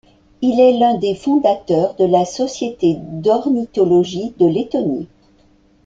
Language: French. Il est l'un des fondateurs de la Société d'ornithologie de Lettonie.